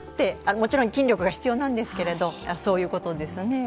もちろん筋力が必要なんですけれども、そういうことですね。